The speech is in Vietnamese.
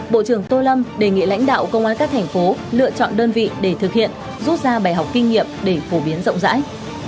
bộ trưởng tô lâm đề nghị lãnh đạo công an các thành phố lựa chọn đơn vị để thực hiện rút ra bài học kinh nghiệm để phổ biến rộng rãi